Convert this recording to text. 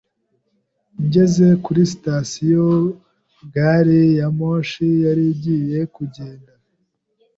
Ngeze kuri sitasiyo, gari ya moshi yari igiye kugenda.